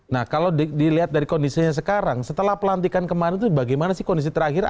nah kalau dilihat dari kondisinya sekarang setelah pelantikan kemarin itu bagaimana sih kondisi terakhir